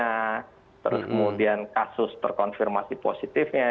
terus kemudian kasus terkonfirmasi positifnya